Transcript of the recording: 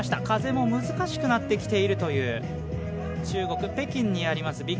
風も難しくなってきたという中国・北京にあります